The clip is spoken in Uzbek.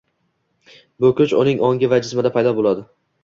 bu kuch uning ongi va jismida paydo bo‘ladi.